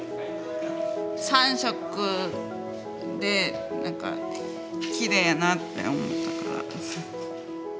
３色で何かきれいやなって思ったから。